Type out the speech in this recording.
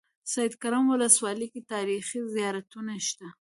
سیدکرم ولسوالۍ کې تاریخي زيارتونه شته.